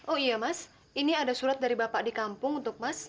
oh iya mas ini ada surat dari bapak di kampung untuk mas